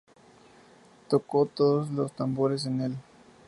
Tocó todos los tambores en el